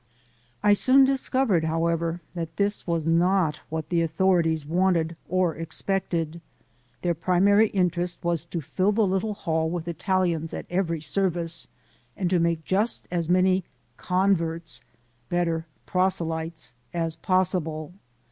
I soon discovered, however, that this was not what the authorities wanted or expected. Their primary interest was to fill the little hall with Italians at every service and to make just as many "converts" better proselytes as possible.